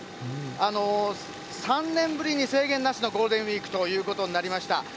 ３年ぶりに制限なしのゴールデンウィークということになりました。